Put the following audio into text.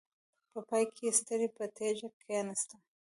په پای کې ستړې په تيږه کېناسته.